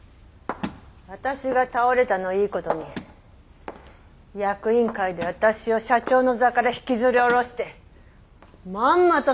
私が倒れたのをいい事に役員会で私を社長の座から引きずり下ろしてまんまと